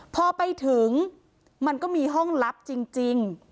พอไปถึงมันก็มีห้องลับจริง